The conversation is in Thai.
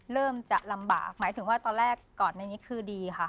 เริ่มจะลำบากหมายถึงว่าตอนแรกก่อนในนี้คือดีค่ะ